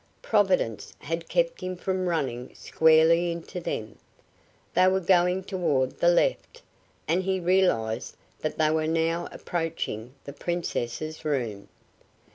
Providence had kept him from running squarely into them. They were going toward the left, and he realized that they were now approaching the Princess's room.